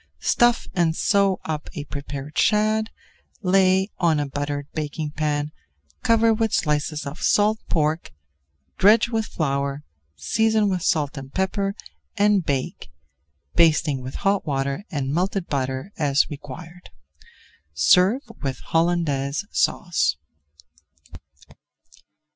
Stuff and sew up a prepared shad, lay on a buttered baking pan, cover with slices of salt pork, dredge with flour, season with salt and pepper and bake, basting with hot water and melted butter as required. Serve with Hollandaise Sauce.